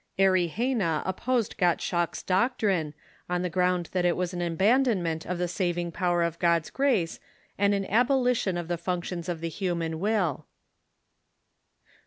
Erigena opposed Gottschalk's doctrine, on the ground that it was an abandonment of the saving power of God's grace and an abolition of the functions of the human will.